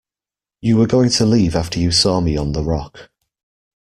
You were going to leave after you saw me on the rock.